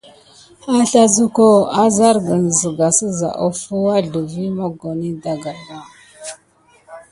Aslazuko, azargən zegas seza offo wazlə vi moggoni dagayɗa.